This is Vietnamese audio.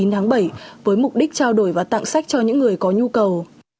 chín tháng bảy với mục đích trao đổi và tặng sách cho những người có nhu cầu